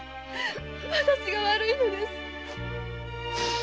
私が悪いのです。